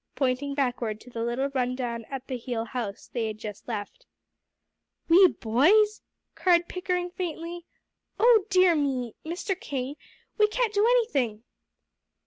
pointing backward to the little run down at the heel house they had just left. "We boys?" cried Pickering faintly. "Oh dear me! Mr. King, we can't do anything."